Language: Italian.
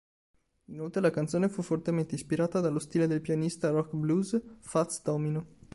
Inoltre la canzone fu fortemente ispirata dallo stile del pianista rock-blues Fats Domino.